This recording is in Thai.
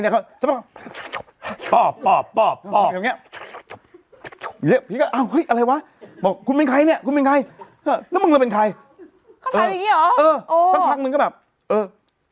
ฮะแล้วมึงเราเป็นใครเขาถ่ายเป็นเงี้ยเหรอเออสักพักมึงก็แบบเออ